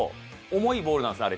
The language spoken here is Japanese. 重いボールなんです、あれ。